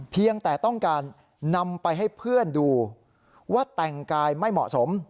เพียงแต่ต้องการนำไปให้เพื่อนดูว่าแต่งกายไม่เหมาะสม